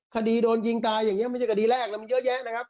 คดีโดนยิงตายอย่างนี้ไม่ใช่คดีแรกแล้วมันเยอะแยะนะครับ